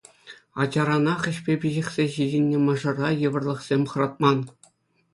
Ачаранах ӗҫпе пиҫӗхсе ҫитӗннӗ мӑшӑра йывӑрлӑхсем хӑратман.